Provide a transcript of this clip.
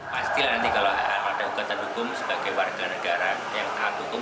pastilah nanti kalau ada ugatan hukum sebagai warga negara yang taat hukum